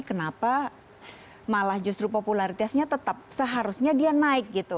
kenapa malah justru popularitasnya tetap seharusnya dia naik gitu